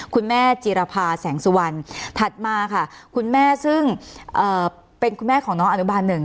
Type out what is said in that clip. คุณแม่จิรภาแสงสุวรรณถัดมาค่ะคุณแม่ซึ่งเป็นคุณแม่ของน้องอนุบาลหนึ่ง